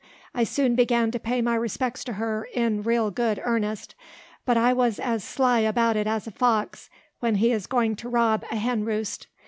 I soon began to pay my respects to her in real good earnest; but I was as sly about it as a fox when he is going to rob a hen roost.